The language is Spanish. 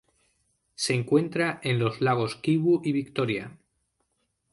Se encuentra en los lagos Kivu y Victoria.